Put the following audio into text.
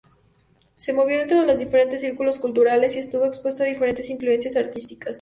Se movió dentro de diferentes círculos culturales y estuvo expuesto a diferentes influencias artísticas.